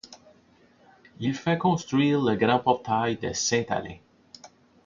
Il fait construire le grand portail de Saint-Alain.